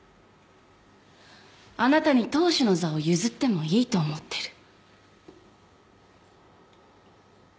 あなたに当主の座を譲ってもいいと思ってる。